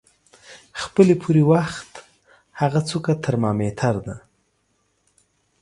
خپلې پورې وخت هغه څوکه ترمامیټر د